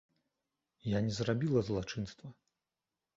Я не зрабіла злачынства.